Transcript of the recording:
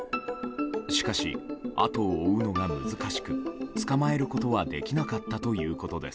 しかし後を追うのが難しく捕まえることはできなかったということです。